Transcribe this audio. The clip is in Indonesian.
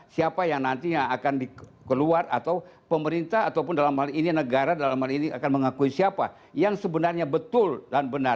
siapa yang nantinya akan dikeluar atau pemerintah ataupun dalam hal ini negara dalam hal ini akan mengakui siapa yang sebenarnya betul dan benar